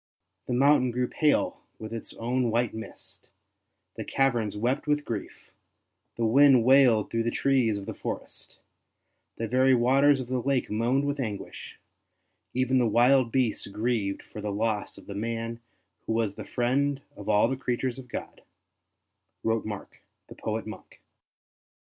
'' The mountain grew pale with its own white mist; the caverns wept with grief; the wind wailed through the trees of the forest; the very waters of the lake moaned with anguish; even the wild beasts grieved for the loss of the man who was the friend of all the creatures of God, " wrote Mark the poet monk.